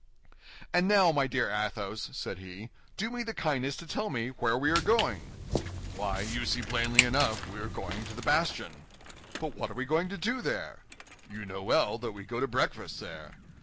"And now, my dear Athos," said he, "do me the kindness to tell me where we are going?" "Why, you see plainly enough we are going to the bastion." "But what are we going to do there?" "You know well that we go to breakfast there."